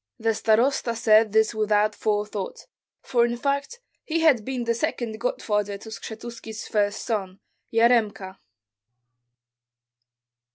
The starosta said this without forethought, for in fact he had been the second godfather to Skshetuski's first son, Yaremka.